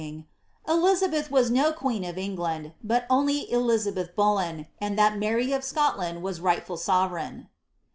135 died m3ring, ^ Elizabeth was no queen of England, but only Elizabeth Bullen, and that Mary of Scotland was rightful sovereign."